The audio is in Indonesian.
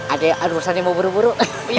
ada urusan yang mau buru buru